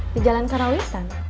di jalan karawitan